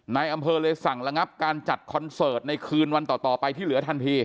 นายอำเภอเลยสั่งระงับการจัดคอนเสิร์ตในคืนวันต่อไปที่เหลือทันที